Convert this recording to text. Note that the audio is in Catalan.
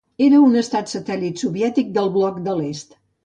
Era un estat satèl·lit soviètic del bloc de l'Est.